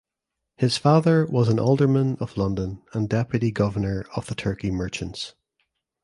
His father was an alderman of London and deputy governor of the Turkey Merchants.